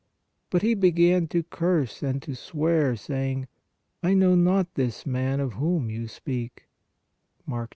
But he began to curse and to swear, saying : I know not this man of whom you speak" (Mark 14).